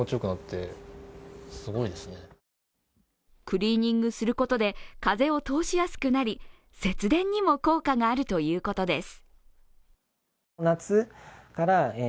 クリーニングすることで風を通しやすくなり節電にも効果があるということです。